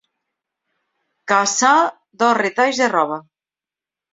Casar dos retalls de roba.